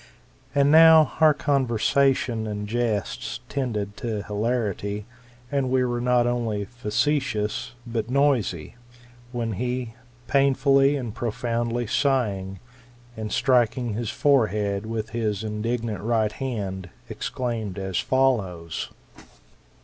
And now our conversation and jests tended to hilarity, and we were not only facetious, but noisy; when he, painfully and profoundly sighing, and striking his forehead with his indignant right hand, exclaimed as follows.